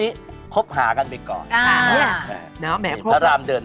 อีก๒เดือน